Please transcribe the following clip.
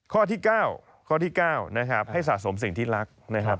ข้อที่๙ข้อที่๙นะครับให้สะสมสิ่งที่รักนะครับ